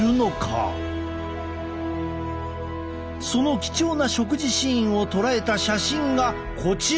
その貴重な食事シーンを捉えた写真がこちら。